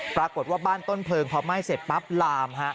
ปรากฏว่าบ้านต้นเพลิงพอไหม้เสร็จปั๊บลามฮะ